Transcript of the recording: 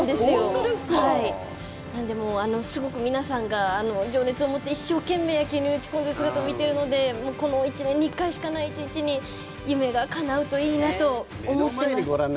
でもすごく皆さんが情熱を持って野球に打ち込んでいる姿を見ているのでこの１年に一回しかない一日に夢がかなうといいなと思っています。